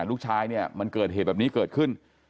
ลูกชายเนี่ยมันเกิดเหตุแบบนี้เกิดขึ้น